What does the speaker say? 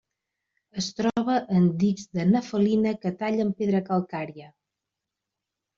Es troba en dics de nefelina que tallen pedra calcària.